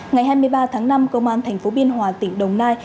ngày hai mươi ba tháng năm công an tp biên hòa tỉnh đồng nai